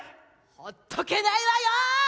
ほっとけないわよ！